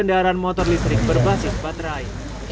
untuk mengendalikan motor listrik berbasis baterai